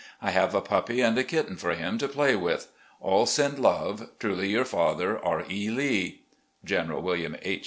I have a puppy and a kitten for him to play with. AH send love. "Truly yotu* father, "R. E. Lee. "General William H.